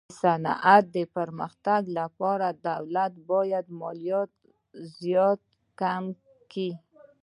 د صنعت د پرمختګ لپاره دولت باید مالیات زیات کم کي.